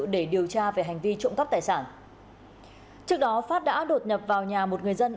để điều tra về hành vi trộm cắp tài sản trước đó phát đã đột nhập vào nhà một người dân